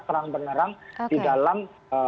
terang benerang di dalam